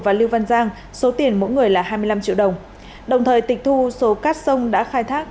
và lưu văn giang số tiền mỗi người là hai mươi năm triệu đồng đồng thời tịch thu số cát sông đã khai thác